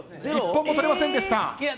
１本も取れませんでした。